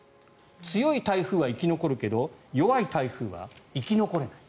強い台風は生き残るけど弱い台風は生き残れない。